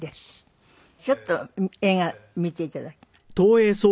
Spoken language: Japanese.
ちょっと映画見ていただき。